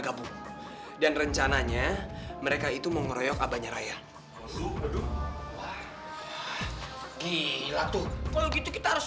gabung dan rencananya mereka itu mau ngeroyok abahnya raya gila tuh kalau gitu kita harus